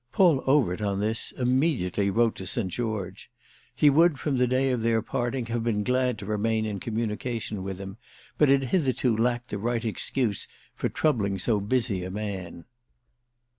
Paul Overt, on this, immediately wrote to St. George. He would from the day of their parting have been glad to remain in communication with him, but had hitherto lacked the right excuse for troubling so busy a man.